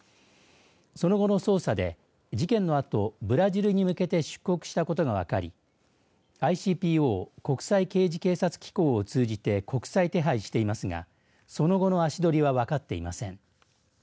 その後の捜査で事件のあとブラジルに向けて出国したことが分かりＩＣＰＯ＝国際刑事警察機構を通じて国際手配していますがその後の足取りは分かっていません。